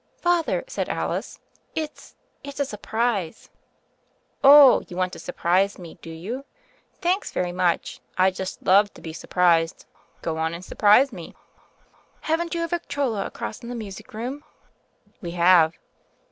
"Father," said Alice, "it's— it's a surprise." "Oh, you want to surprise me, do you? Thanks, very much. I just love to be surprised. Go on, and surprise me." "Haven't you a Victrola across in the music* room?" "We have."